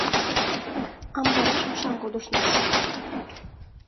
— Амбареш кышам кодышнас.